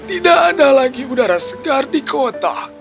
tidak ada lagi udara segar di kota